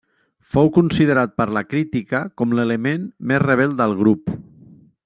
Fou considerat per la Crítica com l'element més rebel del grup.